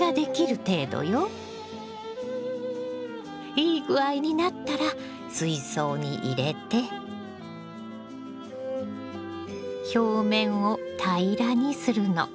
いい具合になったら水槽に入れて表面を平らにするの。